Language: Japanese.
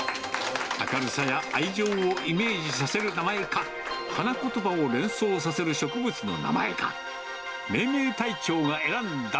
明るさや愛情をイメージさせる名前か、花ことばを連想させる植物の名前か。